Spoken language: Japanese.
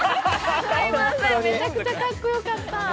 すいません、めちゃくちゃかっこよかった。